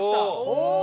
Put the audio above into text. お。